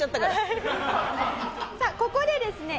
さあここでですね